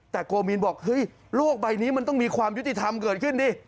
แต่โกมีนบอกเฮ้ยโลกใบนี้มันต้องมีความยุติธรรมเกิดขึ้นดิ